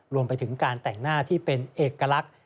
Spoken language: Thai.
รวมไปถึงการแต่งหน้าที่เป็นเอกลักษณ์